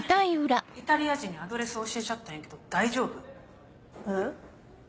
「イタリア人」にアドレス教えちゃったんやけど大丈夫？え？